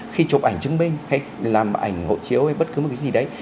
khi chụp ảnh chứng minh hay làm ảnh hộ chiếu hay bất cứ một cái gì đấy